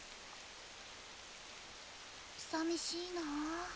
さみしいなあ。